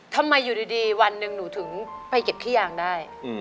ทำไมอยู่ดีวันหนึ่งหนูถึงไปเก็บขี้ยางได้